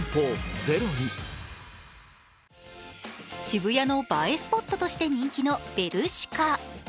渋谷の映えスポットとして人気のＢｅｒｓｈｋａ。